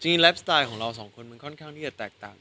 ไลฟ์สไตล์ของเราสองคนมันค่อนข้างที่จะแตกต่าง